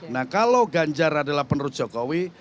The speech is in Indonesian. nah kalau ganjar adalah penerus jokowi